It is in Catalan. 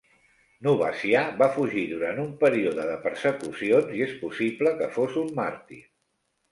Novacià va fugir durant un període de persecucions i és possible que fos un màrtir.